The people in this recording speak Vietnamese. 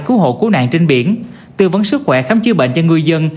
cứu hộ cố nạn trên biển tư vấn sức khỏe khám chứa bệnh cho ngư dân